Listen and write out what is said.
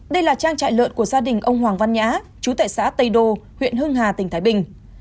đây là trang trại lợn của gia đình ông hoàng văn nhã chú tại xã tây đô huyện hưng hà tỉnh thái bình